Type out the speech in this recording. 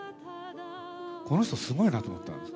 この人、すごいなと思ったんです。